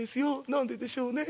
何ででしょうね？